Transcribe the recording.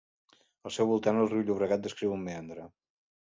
Al seu voltant, el riu Llobregat descriu un meandre.